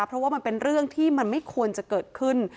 เพราะว่ามันเป็นเรื่องที่มันไม่ควรจะเกิดขึ้น